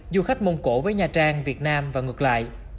du khách mông cổ với nha trang việt nam và ngược lại